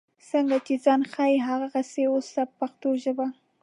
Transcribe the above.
څنګه چې ځان ښیې هغسې اوسه په پښتو ژبه.